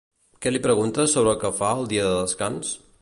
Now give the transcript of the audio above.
Què li pregunta sobre el que fa el dia de descans?